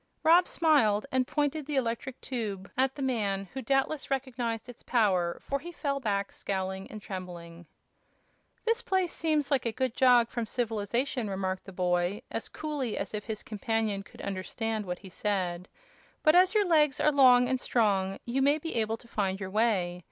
Rob smiled and pointed the electric tube at the man, who doubtless recognized its power, for he fell back scowling and trembling. "This place seems like a good jog from civilization," remarked the boy, as coolly as if his companion could understand what he said; "but as your legs are long and strong you may be able to find your way.